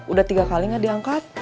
udah tiga kali gak diangkat